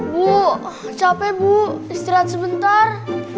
bu capek bu istirahat sebentar